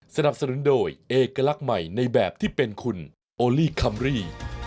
สนับสนุนโดยเอกลักษณ์ใหม่ในแบบที่เป็นคุณโอลี่คัมรี่